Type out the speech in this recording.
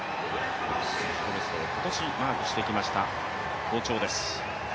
自己ベストを今年マークしてきました、好調です。